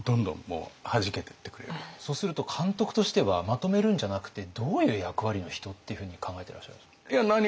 そうすると監督としてはまとめるんじゃなくてどういう役割の人っていうふうに考えてらっしゃるんですか？